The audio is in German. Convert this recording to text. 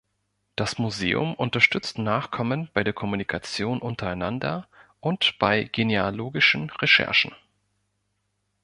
Das Museum unterstützt Nachkommen bei der Kommunikation untereinander und bei genealogischen Recherchen.